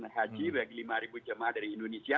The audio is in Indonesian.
haji bagi lima jemaah dari indonesia